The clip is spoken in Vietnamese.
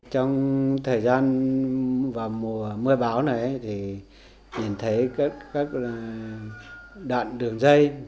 trong thời gian vào mùa mưa báo này thì nhìn thấy các đoạn đường dây